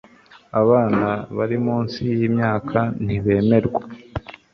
Abana bari munsi yimyaka ntibemerwa